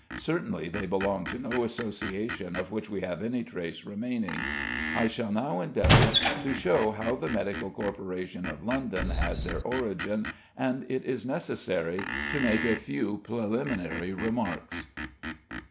Certainly they belonged to no association of which we have any trace remaining. I shall now endeavour to show how the medical corporations of London had their origin, and it is necessary to make a few preliminary remarks.